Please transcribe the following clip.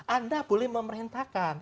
anda boleh memerintahkan